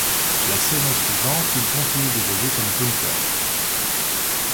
La saison suivante, il continue d'évoluer comme punter.